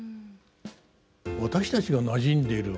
私たちがなじんでいる